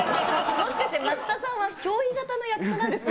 もしかして松田さんは憑依型の役者なんですか？